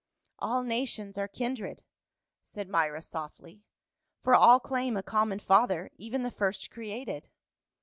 " "All nations are kindred," said Myra softly, "for all claim a common father, even the first created."